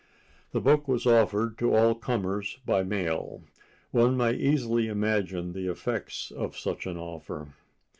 The book was offered to all comers by mail. One may easily imagine the effects of such an offer.